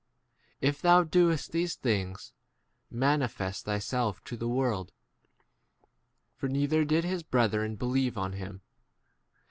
If thou doest these things, manifest > thyself to the world : for neither did his brethren believe on him.